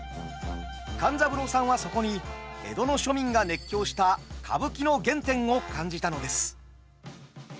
勘三郎さんはそこに江戸の庶民が熱狂した歌舞伎の原点を感じたのです。